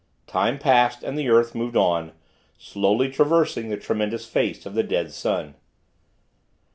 Time passed, and the earth moved on, slowly traversing the tremendous face of the dead sun."